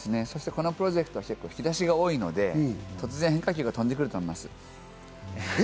このプロジェクトは結構引き出しが多いので、突然、変化球が飛んでくると思います。